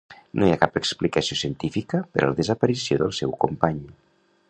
No hi ha cap explicació científica per a la desaparició del seu company.